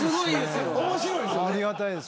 ありがたいです